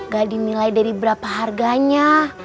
gak dinilai dari berapa harganya